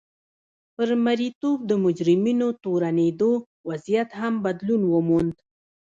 پر مریتوب د مجرمینو تورنېدو وضعیت هم بدلون وموند.